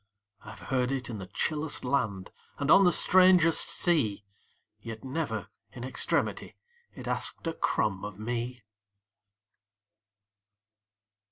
I 've heard it in the chillest land, And on the strangest sea; Yet, never, in extremity, It asked a crumb of me.